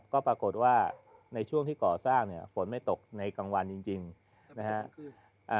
ก็ปรากฏว่าในช่วงที่ก่อสร้างเนี่ยฝนไม่ตกในกลางวันจริงจริงนะฮะ